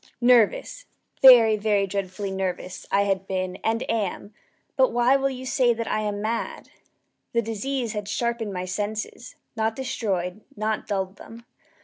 nervous very, very dreadfully nervous I had been and am; but why will you say that I am mad? The disease had sharpened my senses not destroyed not dulled them.